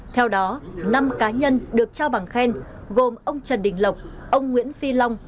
theo đó năm cá nhân được trao bằng khen gồm ông trần đình lộc ông nguyễn phi long